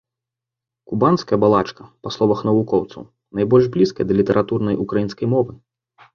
Кубанская балачка, па словах навукоўцаў, найбольш блізкая да літаратурнай украінскай мовы.